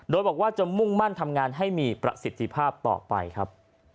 โดยบอกว่าจะมุ่งมั่นทำงานให้มีประสิทธิภาพต่อไปครับ